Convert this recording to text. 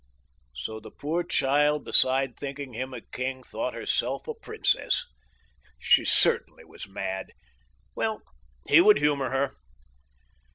So the poor child, besides thinking him a king, thought herself a princess! She certainly was mad. Well, he would humor her.